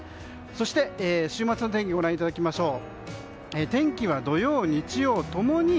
そして、週末の天気ご覧いただきましょう。